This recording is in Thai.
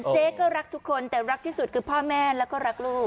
เจ๊ก็รักทุกคนแต่รักที่สุดคือพ่อแม่แล้วก็รักลูก